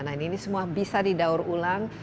nah ini semua bisa didaur ulang